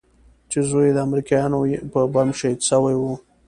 چې زوى يې د امريکايانو په بم شهيد سوى و.